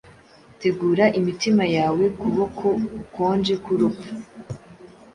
Tegura imitima yawe kuboko gukonje k'urupfu!